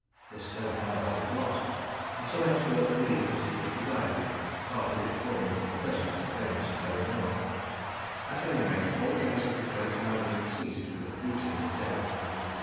This stone, however, is lost, and some experts believe that it was divided, part of it forming the present famous Koh i nûr; at any rate, all trace of the Great Mogul ceased with the looting of Delhi in 1739.